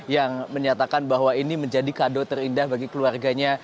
yang menyatakan bahwa ini menjadi kado terindah bagi keluarganya